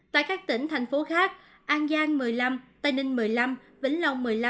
tại các tỉnh thành phố khác an giang một mươi năm tây ninh một mươi năm vĩnh long một mươi năm